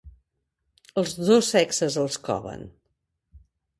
Els dos sexes els coven.